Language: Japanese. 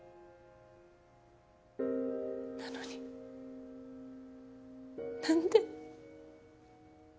なのに何で？